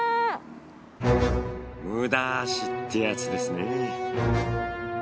無駄足ってやつですね。